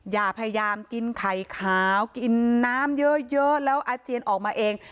อย่าพยายามกินไข่ขาวกินน้ำเยอะแล้วอาเจียนออกมาเอง